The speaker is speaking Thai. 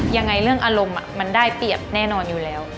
ยังไงเรื่องอารมณ์มันได้เปรียบแน่นอนอยู่แล้ว